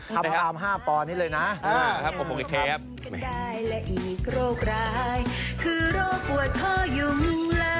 คำตาม๕ปนี้เลยนะครับป๖อีกครับไม่เป็นไร